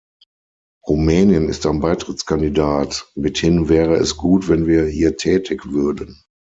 Rumänien ist ein Beitrittskandidat, mithin wäre es gut, wenn wir hier tätig würden.